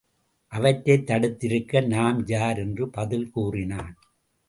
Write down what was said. அவற்றைத் தடுத்திருக்க நாம் யார்? என்று பதில் கூறினான்.